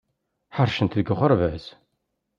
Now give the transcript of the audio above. Ḥarcent deg uɣerbaz.